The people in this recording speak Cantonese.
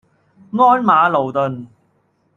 鞍馬勞頓